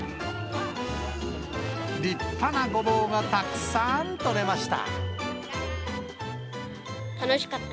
立派なごぼうがたくさん取れました。